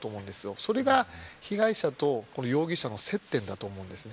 それが被害者と容疑者の接点だと思うんですね。